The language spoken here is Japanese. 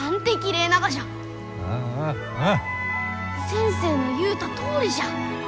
先生の言うたとおりじゃ！